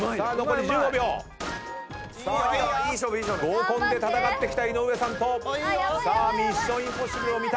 合コンで戦ってきた井上さんと『ミッション：インポッシブル』を見た有岡さん。